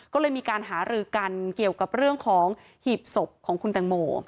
ก็เลยมีการหารือกันเกี่ยวกับเรื่องของหีบศพของคุณแตงโม